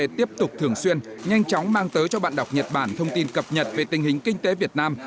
chúng ta tiếp tục thường xuyên nhanh chóng mang tới cho bạn đọc nhật bản thông tin cập nhật về tình hình kinh tế việt nam